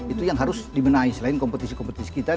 itu yang harus dibenahi selain kompetisi kompetisi kita